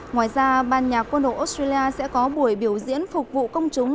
ngoài ra ban nhà quân đội australia sẽ có buổi biểu diễn phục vụ công chúng